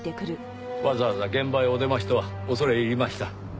わざわざ現場へお出ましとは恐れ入りました。